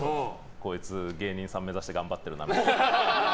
こいつ、芸人さん目指して頑張ってるなって。